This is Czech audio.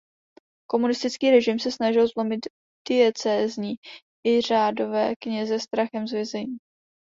Komunistický režim se snažil zlomit diecézní i řádové kněze strachem z vězení.